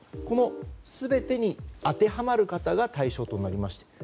この全てに当てはまる方が対象となりました。